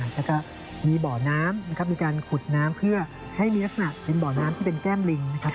แล้วก็มีบ่อน้ำนะครับมีการขุดน้ำเพื่อให้มีลักษณะเป็นบ่อน้ำที่เป็นแก้มลิงนะครับ